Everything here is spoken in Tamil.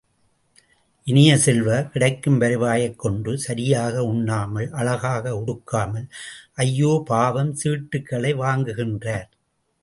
இனிய செல்வ, கிடைக்கும் வருவாயைக் கொண்டு சரியாக உண்ணாமல், அழகாக உடுத்தாமல், ஐயோ பாவம் சீட்டுகளை வாங்குகின்றார்.